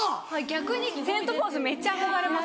逆にセント・フォースめっちゃ憧れます。